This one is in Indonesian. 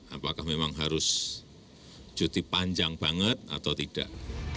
apakah memang harus cuti panjang banget atau tidak